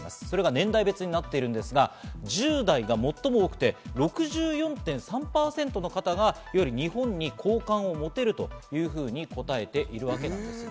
年代別になっていますが、１０代が最も多くて６４．３％の方が日本に好感を持てるというふうに答えているわけです。